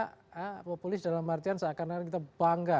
kepulis dalam artian seakan akan kita bangga